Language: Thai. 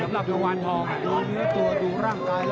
สำหรับหวานทอง